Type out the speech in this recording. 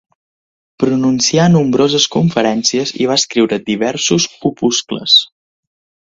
Pronuncià nombroses conferències i va escriure diversos opuscles.